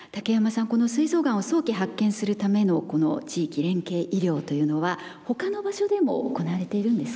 このすい臓がんを早期発見するための地域連携医療というのは他の場所でも行われているんですか？